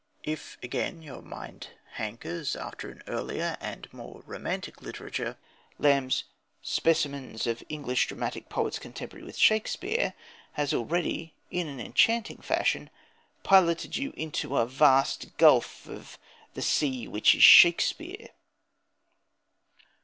If, again, your mind hankers after an earlier and more romantic literature, Lamb's Specimens of English Dramatic Poets Contemporary with Shakspere has already, in an enchanting fashion, piloted you into a vast gulf of "the sea which is Shakspere."